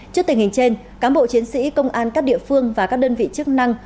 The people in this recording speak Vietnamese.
trước tình hình trên cán bộ chiến sĩ công an các địa phương và các đơn vị chức năng